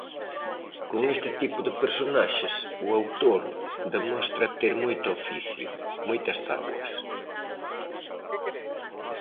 Con este tipo de personaxes, o autor demostra ter moito oficio, moitas táboas.